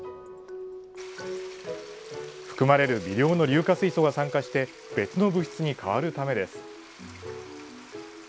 含まれる微量の硫化水素が酸化して別の物質に変わるためです。